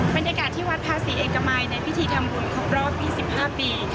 บรรยากาศที่วัดภาษีเอกมัยในพิธีทำบุญครบรอบ๒๕ปี